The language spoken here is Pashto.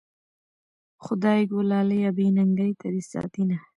خدايږو لالیه بې ننګۍ ته دي ساتينه